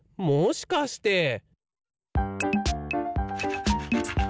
もしかして！